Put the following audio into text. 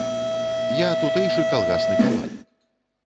Я тутэйшы калгасны каваль.